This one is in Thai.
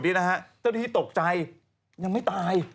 เจ้าหน้าที่ตกใจยังไม่ตาย